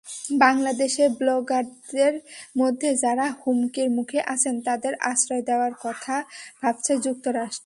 বাংলাদেশে ব্লগারদের মধ্যে যারা হুমকির মুখে আছেন তাঁদের আশ্রয় দেওয়ার কথা ভাবছে যুক্তরাষ্ট্র।